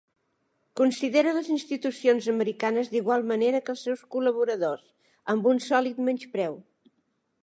Considera les institucions americanes d’igual manera que els seus col·laboradors, amb un sòlid menyspreu.